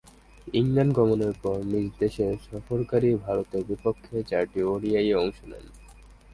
England গমনের পর নিজ দেশে সফরকারী ভারতের বিপক্ষে চারটি ওডিআইয়ে অংশ নেন।